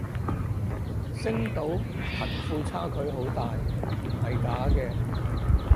星島貧富差距好大唔係假嘅